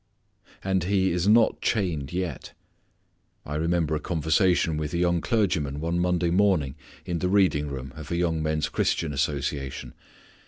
And he is not chained yet. I remember a conversation with a young clergyman one Monday morning in the reading room of a Young Men's Christian Association.